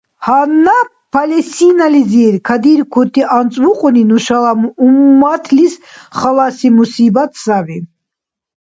Гьанна Палестинализир кадиркути анцӀбукьуни нушала умматлис халаси мусибат саби.